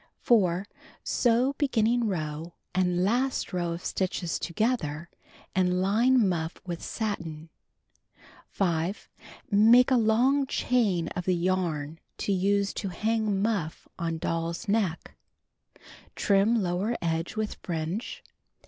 BACK OF PURSE satm. 4. Sew begmning row and last row of stitches together, and line muff with 5. Make a long chain of the yarn to use to hang muff on doll's neck, Trim lower edge with fringe.